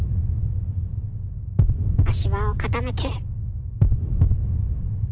足場を固めて。